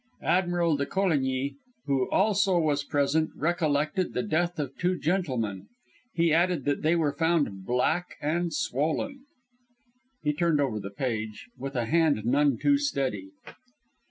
Admiral de Coligny, who also was present, recollected ... the death of two gentlemen.... He added that they were found black and swollen." He turned over the page, with a hand none too steady.